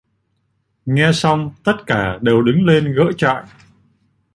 Nghe xong tất cả đều đứng lên gỡ trại